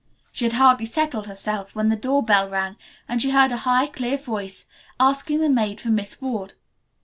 She had hardly settled herself when the door bell rang and she heard a high, clear voice asking the maid for Miss Ward.